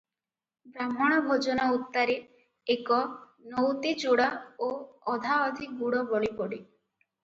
ବାହ୍ମଣ ଭୋଜନ ଉତ୍ତାରେ ଏକ ନଉତି ଚୂଡ଼ା ଓ ଅଧାଅଧି ଗୁଡ଼ ବଳି ପଡ଼େ